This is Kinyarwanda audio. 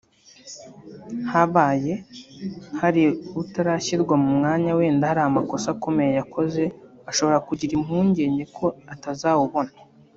Habaye hari utarashyirwa mu mwanya wenda hari amakosa akomeye yakoze ashobora kugira impungenge ko atazawubona